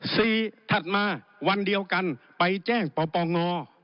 ถัดมาวันเดียวกันไปแจ้งปปง